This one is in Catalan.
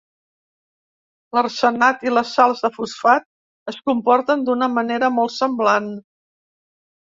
L'arsenat i les sals de fosfat es comporten d'una manera molt semblant.